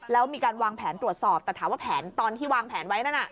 แล้วมีการวางแผนตรวจสอบแต่ถามว่าแผนตอนที่วางแผนไว้นั่นน่ะ